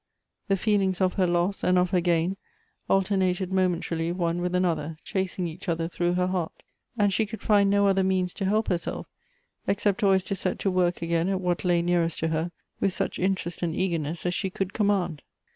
The feelings of her loss and of her gain alter nnted momentarily one with another, chasing each other through her heart; and she could find no other means to help herself, except always to set to work again at what lay nearest to her, with such interest and eagerness as she could command.